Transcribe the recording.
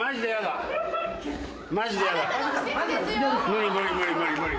無理無理無理無理無理。